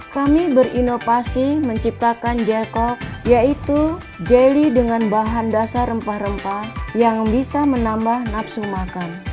kami berinovasi menciptakan jelkol yaitu jelly dengan bahan dasar rempah rempah yang bisa menambah nafsu makan